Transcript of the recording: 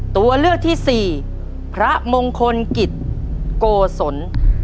ตัวเลือกที่สี่พระมงคลกิจโกศล